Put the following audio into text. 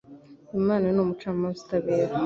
Imana ni umucamanza utabera